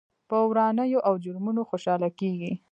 پر ورانيو او جرمونو خوشحاله کېږي.